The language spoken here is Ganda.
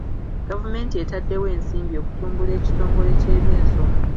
Gavumenti etaddewo ensimbi okutumbula ekitongole ky'ebyensoma.